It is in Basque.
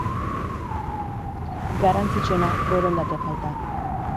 Garrantzitsuena, borondate falta.